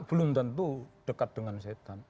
belum tentu dekat dengan setan